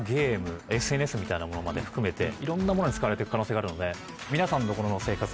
みたいなものまで含めていろんなものに使われてく可能性があるので。